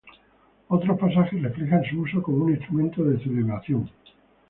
Otros pasajes reflejan su uso como un instrumento de celebración.